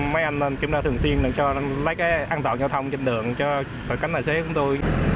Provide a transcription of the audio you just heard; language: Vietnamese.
mấy anh kiểm tra thường xuyên cho anh lấy cái an toàn giao thông trên đường cho cảnh đài xế của tôi